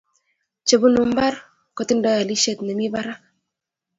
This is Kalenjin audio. chebunu mbar kotindai aldaishet nemi barak